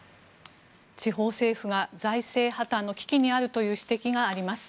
地方政府が財政破たんの危機にあるという指摘があります。